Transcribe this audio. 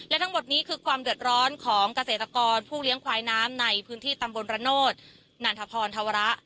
และทั้งหมดนี้คือความเดือดร้อนของเกษตรกรผู้เลี้ยงควายน้ำในพื้นที่ตำบลระโนธนันทพรธวระ